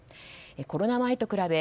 コロナ前と比べ